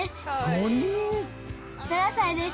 ５歳です。